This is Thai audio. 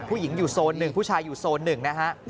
ผู้หญิงอยู่โซน๑ผู้ชายอยู่โซน๑นะฮะ